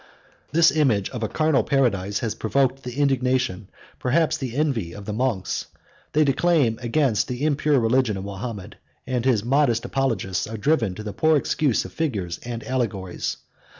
This image of a carnal paradise has provoked the indignation, perhaps the envy, of the monks: they declaim against the impure religion of Mahomet; and his modest apologists are driven to the poor excuse of figures and allegories.